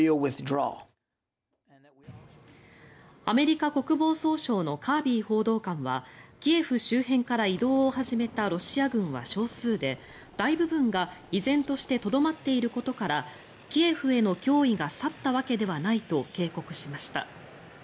アメリカ国防総省のカービー報道官はキエフ周辺から移動を始めたロシア軍は少数で大部分が依然としてとどまっていることからキエフへの脅威が去ったわけではないと警告しました。